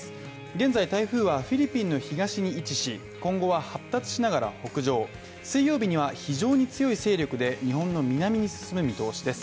現在台風はフィリピンの東に位置し、今後は発達しながら北上水曜日には非常に強い勢力で日本の南に進む見通しです。